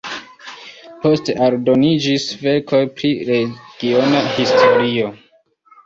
Poste aldoniĝis verkoj pri regiona historio.